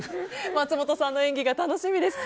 松本さんの演技が楽しみです。